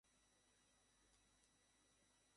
তোমাকে ক্ষমা চাইতে হবেনা।